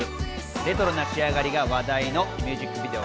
レトロな仕上がりが話題のミュージックビデオ。